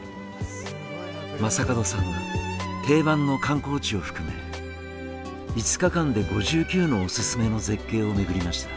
正門さんは定番の観光地を含め５日間で５９のおすすめの絶景を巡りました。